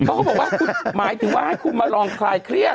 เขาก็บอกว่าคุณหมายถึงว่าให้คุณมาลองคลายเครียด